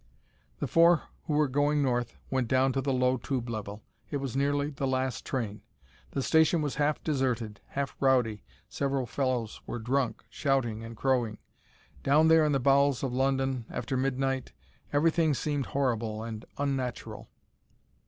The four who were going north went down to the low tube level. It was nearly the last train. The station was half deserted, half rowdy, several fellows were drunk, shouting and crowing. Down there in the bowels of London, after midnight, everything seemed horrible and unnatural.